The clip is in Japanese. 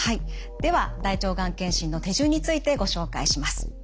では大腸がん検診の手順についてご紹介します。